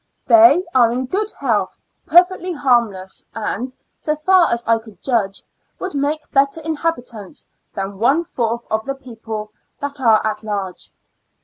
They are in good health, perfectly harmless, and, so far as I could judge, would make better inhabitants than one fourth of the people that are at large.